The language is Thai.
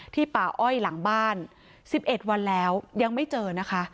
ป่าอ้อยหลังบ้าน๑๑วันแล้วยังไม่เจอนะคะ